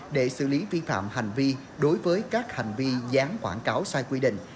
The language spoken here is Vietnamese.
để xử lý vi phạm hành vi đối với các hành vi gián quảng cáo sai quy định